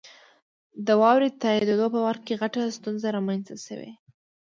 د واورئ تائیدو په برخه کې غټه ستونزه رامنځته شوي.